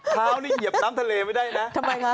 เท้านี้เหยียบน้ำทะเลไว้ได้นะ